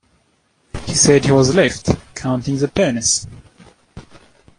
He said he was left "counting the pennies".